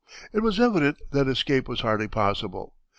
It was evident that escape was hardly possible.